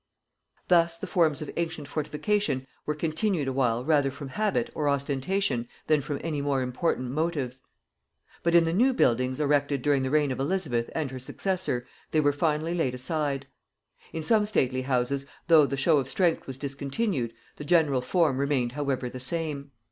Thus the forms of ancient fortification were continued awhile rather from habit or ostentation than from any more important motives; but in the new buildings erected during the reign of Elizabeth and her successor they were finally laid aside. In some stately houses, though the show of strength was discontinued, the general form remained however the same.